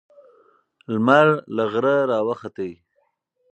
لمر له غره راوخوت.